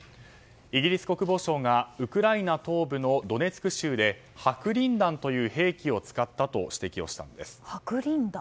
イギリス国防省がウクライナ東部のドネツク州で白リン弾という兵器を使ったと指摘したんです。